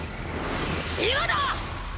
今だ！！